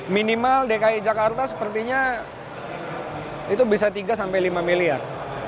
minimal dki jakarta sepertinya itu bisa tiga sampai lima miliar